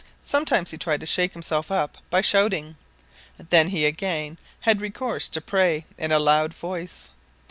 Sometimes he tried to shake himself up by shouting. Then he again had recourse to prayer, in a loud voice.